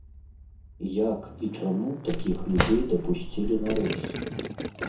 Як і чаму такіх людзей дапусцілі на рэйс?